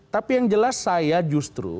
tapi yang jelas saya justru